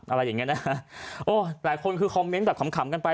อะไรอย่างนี้นะแต่คนคือคอมเม้นต์แบบขำขำกันไป